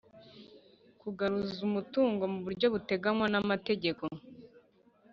Kugaruza umutungo mu buryo buteganywa n’amategeko